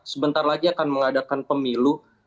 sebentar lagi akan mengadakan pemilu